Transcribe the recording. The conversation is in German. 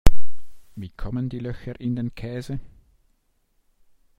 Wie kommen die Löcher in den Käse?